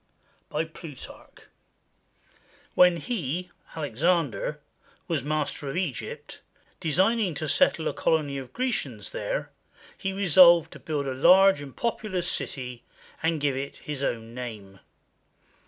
] BY PLUTARCH When he [Alexander] was master of Egypt, designing to settle a colony of Grecians there, he resolved to build a large and populous city, and give it his own name.